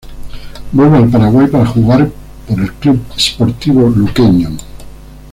Vuelve al Paraguay para jugar por el Club Sportivo Luqueño.